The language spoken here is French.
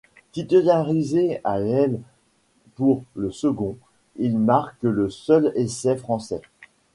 Titularisé à l'aile pour le second, il marque le seul essai français.